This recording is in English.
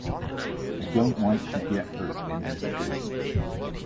I don't want to get hurt in this business.